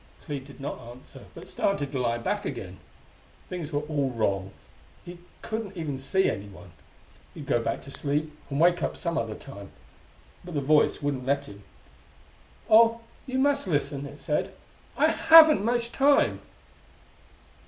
Clee did not answer, but started to lie back again. Things were all wrong: he couldn't even see anyone. He'd go back to sleep, and wake up some other time. But the Voice wouldn't let him. "Oh, you must listen!" it said. "I haven't much time!"